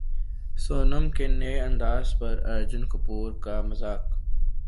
سونم کے نئے انداز پر ارجن کپور کا مذاق